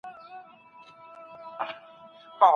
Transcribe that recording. مثبت معلومات د فکر د سمون لپاره دي.